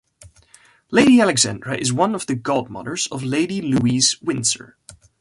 Lady Alexandra is one of the godmothers of Lady Louise Windsor.